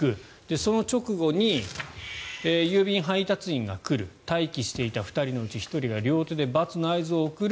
その直後に、郵便配達員が来る待機していた２人のうち１人が両手でバツの合図を送る。